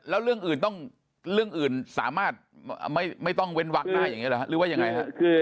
แล้วเรื่องอื่นต้องเรื่องอื่นสามารถไม่ต้องเว้นวักได้อย่างนี้หรือว่ายังไงฮะ